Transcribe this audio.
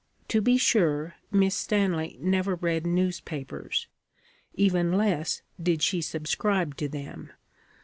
To be sure, Miss Stanley never read newspapers. Even less, did she subscribe to them.